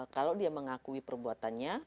kalau dia mengakui perbuatannya